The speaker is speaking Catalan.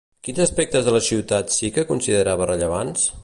Quins aspectes de la ciutat sí que considera rellevants?